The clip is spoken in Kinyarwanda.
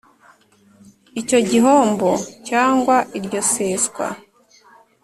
icyo gihombo cyangwa iryo seswa